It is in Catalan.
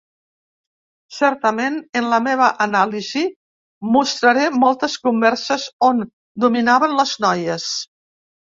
Certament, en la meva anàlisi mostraré moltes converses on dominaven les noies.